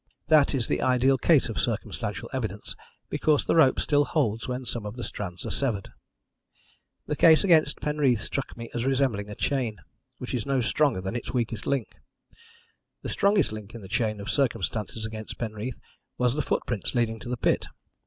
That is the ideal case of circumstantial evidence, because the rope still holds when some of the strands are severed. The case against Penreath struck me as resembling a chain, which is no stronger than its weakest link. The strongest link in the chain of circumstances against Penreath was the footprints leading to the pit.